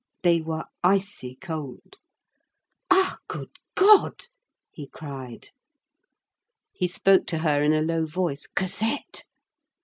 They were icy cold. "Ah! good God!" he cried. He spoke to her in a low voice:— "Cosette!"